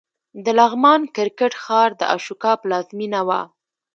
د لغمان کرکټ ښار د اشوکا پلازمېنه وه